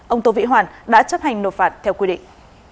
ông tô vĩ hoàn đã chấp hành nộp phạt theo quy định